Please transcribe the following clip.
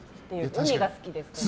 海が好きですね。